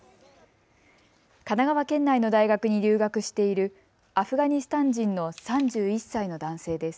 神奈川県内の大学に留学しているアフガニスタン人の３１歳の男性です。